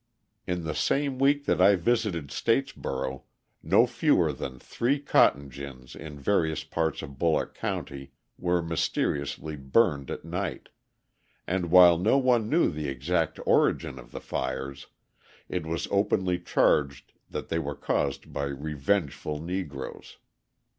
In the same week that I visited Statesboro, no fewer than three cotton gins in various parts of Bulloch County were mysteriously burned at night, and while no one knew the exact origin of the fires, it was openly charged that they were caused by revengeful Negroes.